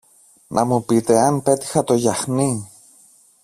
να μου πείτε αν πέτυχα το γιαχνί.